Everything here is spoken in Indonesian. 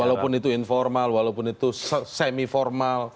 walaupun itu informal walaupun itu semi formal